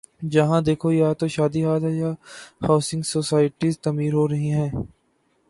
جہاں دیکھو یا تو شادی ہال یا ہاؤسنگ سوسائٹیاں تعمیر ہو رہی ہیں۔